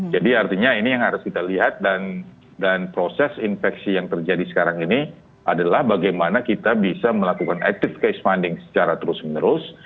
jadi artinya ini yang harus kita lihat dan proses infeksi yang terjadi sekarang ini adalah bagaimana kita bisa melakukan active case finding secara terus menerus